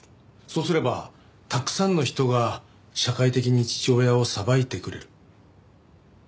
そうすればたくさんの人が社会的に父親を裁いてくれる。